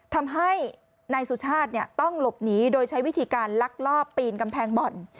ทำให้นายสุชาติต้องหลบหนีโดยใช้วิธีการลักลอบปีนกำแพงบ่อน